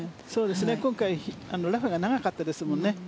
今回ラフが長かったですもんね。